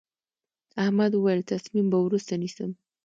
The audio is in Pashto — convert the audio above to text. احمد وويل: تصمیم به وروسته نیسم.